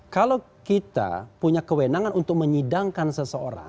kalau kita punya kewenangan untuk menyidangkan seseorang